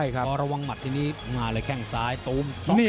เพราะระวังมัดที่นี่มาเลยแค่งซ้ายตูม